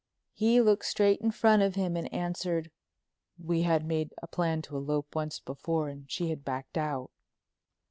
He looked straight in front of him and answered: "We had made a plan to elope once before and she had backed out."